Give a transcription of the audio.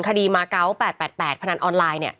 คดีมาเกาะ๘๘พนันออนไลน์